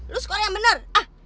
lu score yang bener